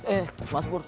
eh mas pur